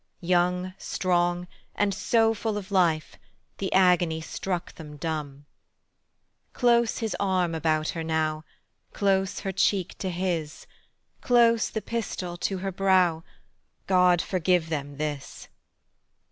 Young, strong, and so full of life: The agony struck them dumb. Close his arm about her now, Close her cheek to his, Close the pistol to her brow God forgive them this!